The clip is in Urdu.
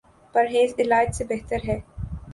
پرہیز علاج سے بہتر ہے